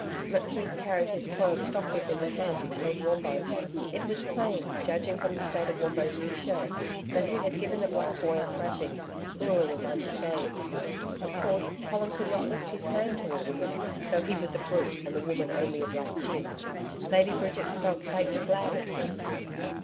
McKeith carried his coiled stockwhip in the hand which held Wombo. It was plain, judging from the state of Wombo's new shirt, that he had given the black boy a thrashing; Oola was unscathed. Of course, Colin could not lift his hand to a woman, though he was a brute and the woman only a black gin. Lady Bridget felt faintly glad at this.